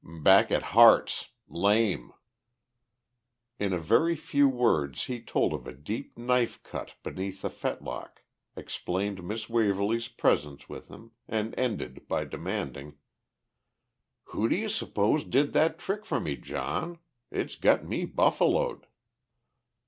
"Back at Harte's. Lame." In a very few words he told of a deep knife cut beneath the fetlock, explained Miss Waverly's presence with him, and ended by demanding, "Who do you suppose did that trick for me, John? It's got me buffaloed."